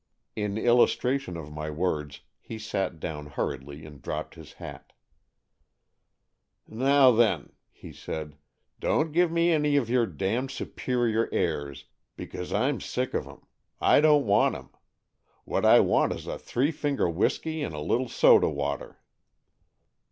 In illustration of my words, he sat down hurriedly and dropped his hat. " Now then," he said, don't give me any of your damned superior airs, because I'm sick of 'em. I don't want 'em. What I want is a three finger whisky and a little soda water."